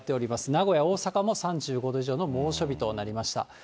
名古屋、大阪も３５度以上の猛暑日となりました。